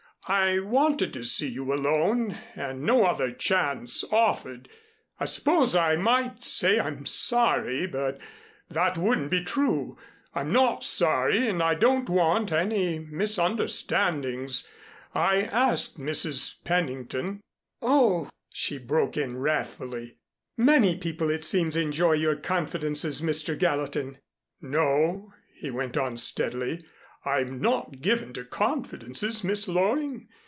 "I wanted to see you alone and no other chance offered. I suppose I might say I'm sorry, but that wouldn't be true. I'm not sorry and I don't want any misunderstandings. I asked Mrs. Pennington " "Oh!" she broke in wrathfully. "Many people, it seems, enjoy your confidences, Mr. Gallatin." "No," he went on, steadily. "I'm not given to confidences, Miss Loring.